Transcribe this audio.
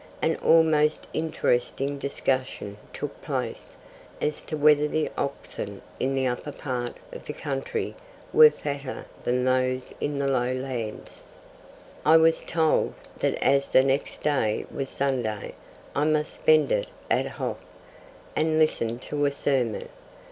An almost interesting discussion took place as to whether the oxen in the upper part of the country were fatter than those in the lowlands. I was told that as the next day was Sunday, I must spend it at Hof, and listen to a sermon.